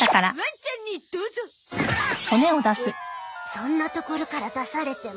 そんな所から出されても。